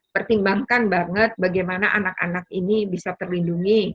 pertimbangkan banget bagaimana anak anak ini bisa terlindungi